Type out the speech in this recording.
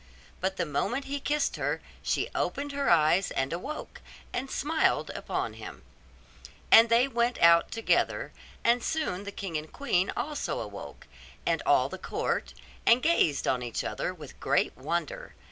But the moment he kissed her she opened her eyes and awoke, and smiled upon him; and they went out together; and soon the king and queen also awoke, and all the court, and gazed on each other with great wonder.